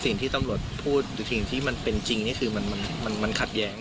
สิ่งที่ตำรวจพูดหรือสิ่งที่มันเป็นจริงนี่คือมันขัดแย้ง